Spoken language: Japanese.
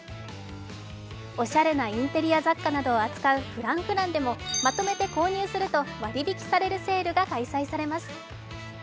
おしゃれなインテリア雑貨などを扱うＦｒａｎｃｆｒａｎｃでもまとめて購入すると割引されるセールが開催されます。